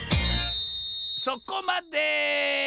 そこまで！